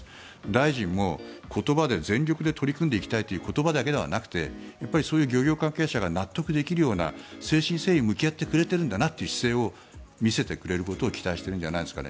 大臣も全力で取り組んでいきたいという言葉だけではなくてそういう漁業関係者が納得できるような誠心誠意向き合ってくれてるんだなという姿勢を見せてくれることを期待しているんじゃないですか。